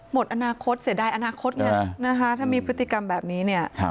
หมดอนาคตเสียดายอนาคตไงนะคะถ้ามีพฤติกรรมแบบนี้เนี่ย